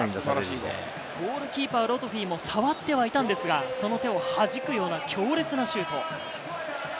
ゴールキーパー、ロトフィも触ってはいたんですが、その手をはじくような強烈なシュート。